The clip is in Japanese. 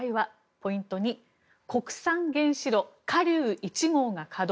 ポイント２国産原子炉、華竜１号が稼働。